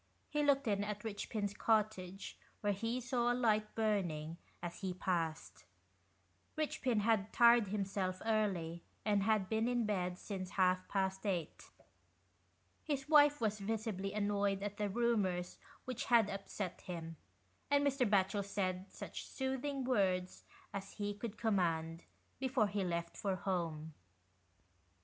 He looked in at Eichpin's cottage, where he saw a light burning, as he passed. Eichpin had tired him self early, and had been in bed since half past eight. His wife was visibly annoyed at the rumours which had upset him, and Mr. Batchel said such soothing words as he could command, before he left for home.